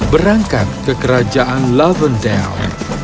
berangkat ke kerajaan lavendel